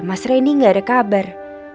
mas reni tidak ada kabar